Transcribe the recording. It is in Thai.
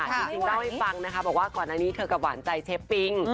จริงเล่าให้ฟังนะคะบอกว่าก่อนอันนี้เธอกับหวานใจเชฟปิง